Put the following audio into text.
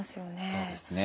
そうですね。